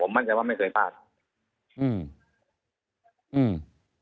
มั่นใจว่าไม่เคยพลาดอืมอืม